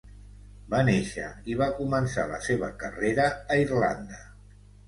Va néixer i va començar la seva carrera a Irlanda.